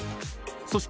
［そして］